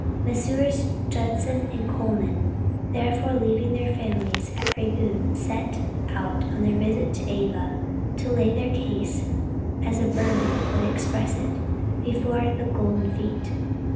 Messrs. Judson and Colman, therefore, leaving their families at Rangoon, set out on their visit to Ava, to lay their case as a Burman would express it before 'the golden feet.'